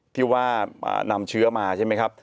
ที่ว่านำเชื้อมาใช่ไหมครับ